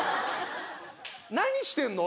何してんの？